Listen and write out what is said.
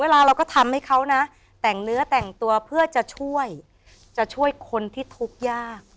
เค้าบอกกุ้งสุธิราชบอกว่า